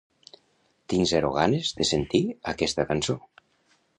Tinc zero ganes de sentir aquesta cançó.